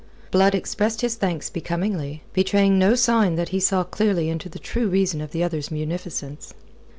Blood expressed his thanks becomingly, betraying no sign that he saw clearly into the true reason of the other's munificence.